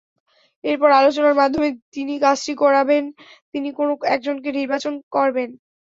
এরপর আলোচনার মাধ্যমে যিনি কাজটি করাবেন তিনি কোনো একজনকে নির্বাচন করবেন।